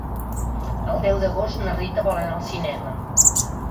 El deu d'agost na Rita vol anar al cinema.